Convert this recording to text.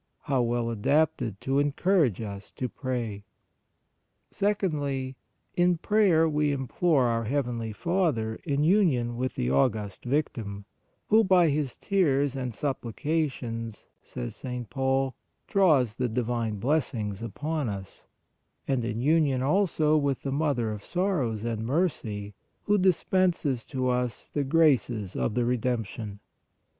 How well adapted to encourage us to pray! Secondly, in prayer we im plore our heavenly Father in union with the August Victim, who, by His tears and supplications, says St. Paul, draws the divine blessings upon us; and in union also with the Mother of sorrows and mercy, who dispenses to us the graces of the Redemption.